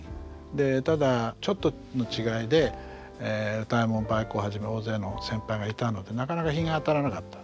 ただちょっとの違いで歌右衛門梅幸はじめ大勢の先輩がいたのでなかなか日が当たらなかった。